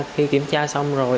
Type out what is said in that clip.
khi kiểm tra xong rồi